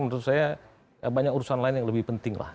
menurut saya banyak urusan lain yang lebih penting lah